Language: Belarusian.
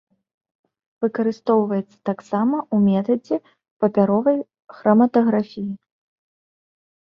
Выкарыстоўваецца таксама ў метадзе папяровай храматаграфіі.